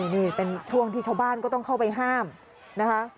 นี่เป็นช่วงที่ชาวบ้านก็ต้องเข้าไปห้ามนะคะ